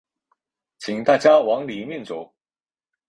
请大家往里面走